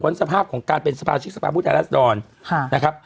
ผลสภาพของการเป็นสภาพจิตสภาพปุทธรรรทรดรค่ะนะครับ